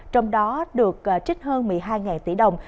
trong đó được trích hơn một mươi hai tỷ đồng